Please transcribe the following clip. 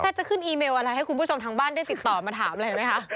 จะขึ้นอีเมลอะไรให้คุณผู้ชมทางบ้านได้ติดต่อมาถามอะไรไหมคะ